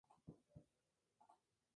Su domicilio estaba primero en la Rda.